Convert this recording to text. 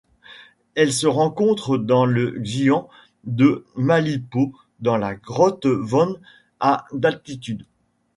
Elle se rencontre dans le xian de Malipo dans la grotte Wan à d'altitude.